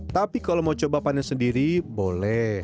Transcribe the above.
tapi kalau mau coba panen sendiri boleh